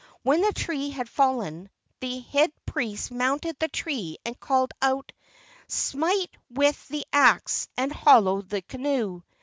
When the tree had fallen, the head priest mounted the trunk and called out, 'Smite with the axe, and hollow the canoe.